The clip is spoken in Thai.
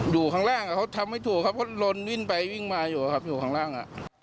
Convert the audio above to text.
อยู่ข้างล่างเขาทำไม่ถูกครับเพราะลนวิ่งไปวิ่งมาอยู่ครับอยู่ข้างล่าง